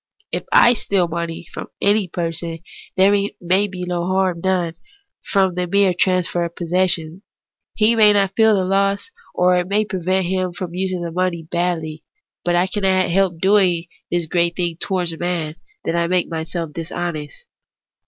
If I steal money from any person, there may be no harm done by the mere transfer of possession ; he may not feel the loss, or it may prevent him from using the money badly. But I cannot help doing this great wrong towards Man, that I make myself dishonest.